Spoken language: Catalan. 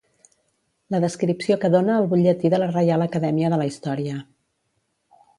La descripció que dona el Butlletí de la Reial Acadèmia de la Història.